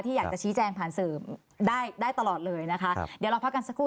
อยากจะชี้แจงผ่านสื่อได้ได้ตลอดเลยนะคะเดี๋ยวเราพักกันสักครู่